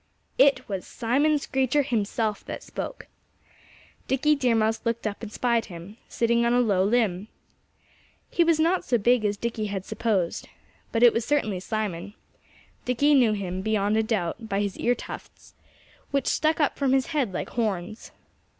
It was Simon Screecher himself that spoke. Dickie Deer Mouse looked up and spied him, sitting on a low limb. He was not so big as Dickie had supposed. But it was certainly Simon. Dickie knew him, beyond a doubt, by his ear tufts, which stuck up from his head like horns.